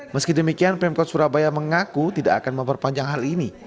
meski demikian pemkot surabaya mengaku tidak akan memperpanjang hal ini